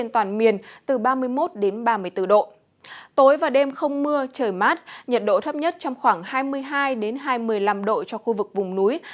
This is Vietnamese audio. tối và đêm không mưa trời mát nhiệt độ thấp nhất trong khoảng hai mươi hai hai mươi năm độ cho khu vực vùng núi